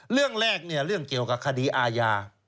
เรื่องแรกเนี่ยเรื่องเกี่ยวกับคดีอาญา